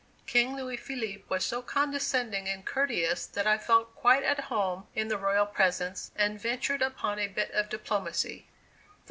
King Louis Philippe was so condescending and courteous that I felt quite at home in the royal presence, and ventured upon a bit of diplomacy.